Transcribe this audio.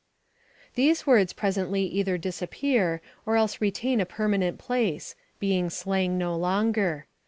These words presently either disappear or else retain a permanent place, being slang no longer.